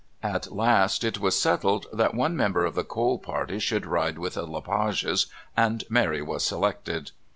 At last it was settled that one member of the Cole party should ride with the Le Pages, and Mary was selected.